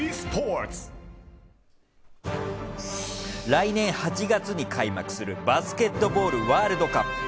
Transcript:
来年８月に開幕するバスケットボールワールドカップ。